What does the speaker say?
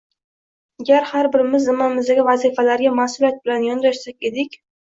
Agar har birimiz zimmamizdagi vazifalarga masʼuliyat bilan yondashsak edik